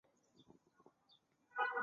弗龙蒂尼昂德科曼热。